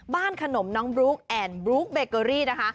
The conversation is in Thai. บ้านขนมน้องบลูกบลูกเบเกอรี่นะคะ